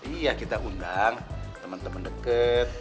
iya kita undang temen temen deket